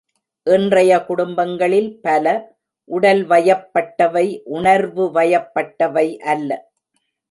இன்றைய குடும்பங்களில் பல, உடல் வயப்பட்டவை உணர்வுவயப்பட்டவை அல்ல.